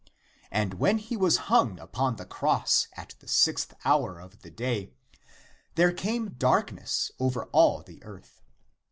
And when he was hung upon the cross, at the sixth hour of the day, there came darkness over all the earth.